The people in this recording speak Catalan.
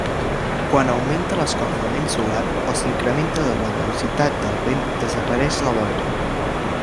Quan augmenta l'escalfament solar o s'incrementa la velocitat del vent, desapareix la boira.